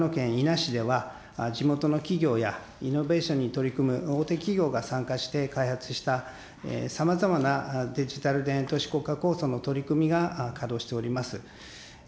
市では、地元の企業やイノベーションに取り組む大手企業が参加して開発したさまざまなデジタル田園都市国家構想の取り組みが稼働しております。